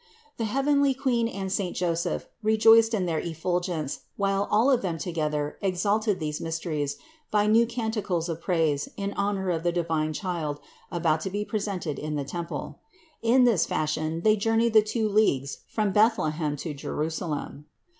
The heavenly Queen and saint Joseph rejoiced in their effulgence, while all of them together exalted these mysteries by new canticles of praise in honor of the divine Child about to be presented in the temple. In this fashion they journeyed the two leagues from Bethlehem to Jerusalem.